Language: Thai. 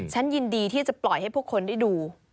ฉันยินดีที่จะปล่อยให้ผู้คนได้ดู